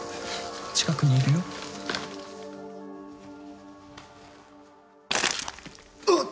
近くにいるよ。うっ！